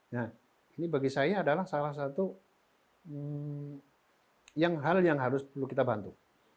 nah ini bagi saya adalah salah satu hal yang harus perlu kita bantu